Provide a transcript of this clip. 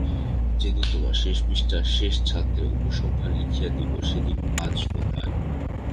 যেদিন তোমার শেষ পৃষ্ঠার শেষ ছত্রে উপসংহার লিখিয়া দিব, সেদিন আজ কোথায়!